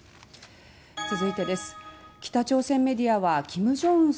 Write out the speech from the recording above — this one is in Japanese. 続いてです。